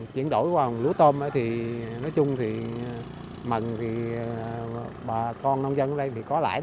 chuyển đổi qua lúa tôm nói chung mần bà con nông dân ở đây có lãi